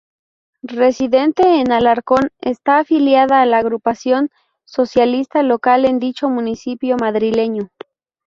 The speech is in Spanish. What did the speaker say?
Residente en Alcorcón, está afiliada a la agrupación socialista local en dicho municipio madrileño.